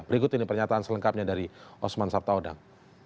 berikut ini pernyataan selengkapnya dari osman sabtaodang